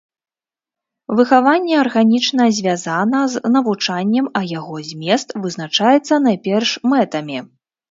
Выхаванне арганічна звязана з навучаннем, а яго змест вызначаецца найперш мэтамі.